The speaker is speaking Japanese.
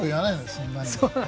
そんなに。